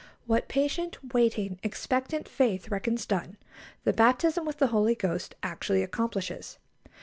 What patient, waiting, expectant faith reckons done, the baptism with the Holy Ghost actually accomplishes.